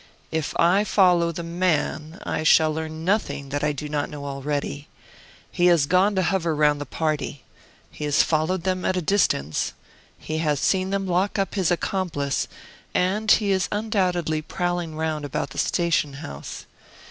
"If I follow the man I shall learn nothing that I do not know already. He has gone to hover round the party; he has followed them at a distance, he has seen them lock up his accomplice, and he is undoubtedly prowling round about the station house.